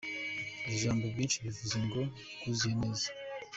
Iri jambo “bwinshi” bivuze ngo bwuzuye neza.